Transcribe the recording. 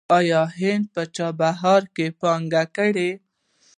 آیا هند په چابهار کې پانګونه کړې؟